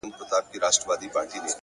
ته راته ووایه چي څنگه به جنجال نه راځي!